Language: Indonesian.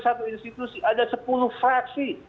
satu institusi ada sepuluh fraksi